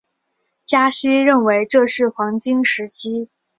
加西认为这是个黄金时机。